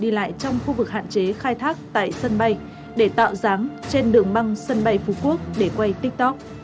đi lại trong khu vực hạn chế khai thác tại sân bay để tạo dáng trên đường băng sân bay phú quốc để quay tiktok